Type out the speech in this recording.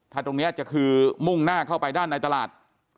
ถ้าตรงนี้จะคือมุ่งหน้าเข้าไปด้านในตลาด